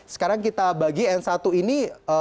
sekarang kita bagi n satu ini